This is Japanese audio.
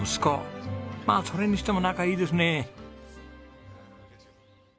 まあそれにしても仲いいですね。